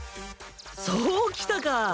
そう来たか。